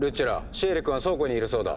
シエリ君は倉庫にいるそうだ！